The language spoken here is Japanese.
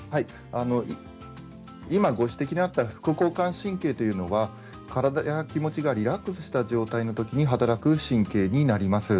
ご指摘があった副交感神経というのは体や気持ちがリラックスしたような状態の時に働く神経です。